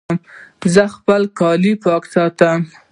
زه خپل کالي پاک ساتم